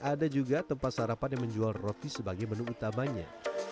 ada juga tempat sarapan yang menjual roti sebagai menu utamanya